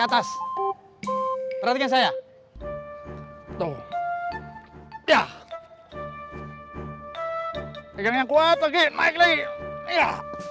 atas perhatikan saya ya pegangnya kuat lagi naik lagi ya